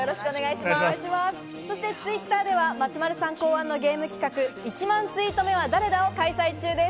Ｔｗｉｔｔｅｒでは松丸さん考案のゲーム企画「１万ツイート目は誰だ！？」を開催中です。